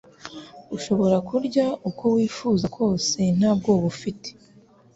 ushobora kurya uko wifuza kose nta bwoba ufite.